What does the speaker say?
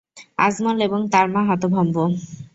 আজমল এবং তার মা হতভম্ব।